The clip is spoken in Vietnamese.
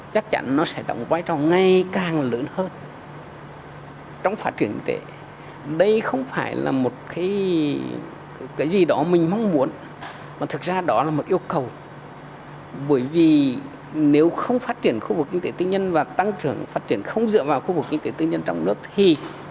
các doanh nghiệp nhà nước và tăng trưởng phát triển không dựa vào khu vực kinh tế tư nhân trong nước thì